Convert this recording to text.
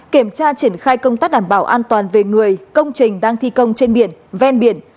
kiểm tra triển khai công tác đảm bảo an toàn về người công trình đang thi công trên biển ven biển